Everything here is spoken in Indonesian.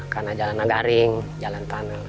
karena jalanan garing jalan tanah